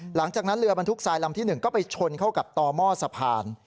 หลังจากนั้นเรือบรรทุกทรายลำที่๑ก็ไปชนเข้ากับต่อหม้อสะพาน